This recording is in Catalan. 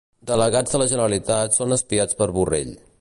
Delegats de la generalitat són espiats per Borrell